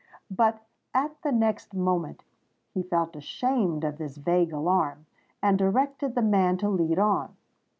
But at the next moment he felt ashamed of this vague alarm, and directed the man to lead on.